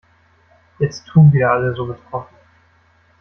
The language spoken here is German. Jetzt tun wieder alle so betroffen.